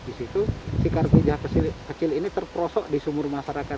di situ si karpija kecil ini terperosok di sumur masyarakat